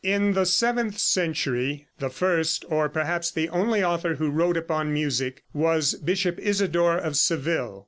In the seventh century the first, or perhaps the only author who wrote upon music was Bishop Isidore, of Seville.